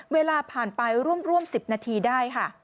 เวลาผ่านไปร่วม๑๐นาทีได้ค่ะ